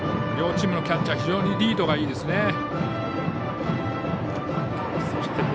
両チームのキャッチャー非常にリードがいいですね。